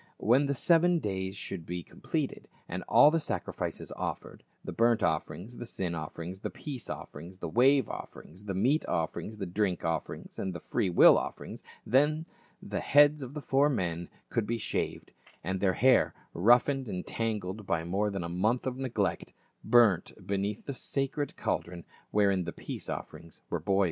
When the seven days should be completed, and all the sacrifices offered, the burnt offerings, the sin offerings, the peace offerings, the wave offerings, the meat offerings, the drink offerings and the free will offerings, then the heads of the four men could be shaved, and their hair, roughened and tangled by more than a month of neglect,* burnt beneath the sacred cauldron wherein the peace offerings were boiling.